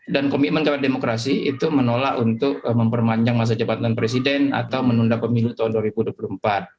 dan komitmen keadaan demokrasi itu menolak untuk mempermanjang masa jabatan presiden atau menunda pemilu tahun dua ribu dua puluh empat